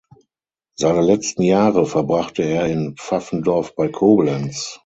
Seine letzten Jahre verbrachte er in Pfaffendorf bei Koblenz.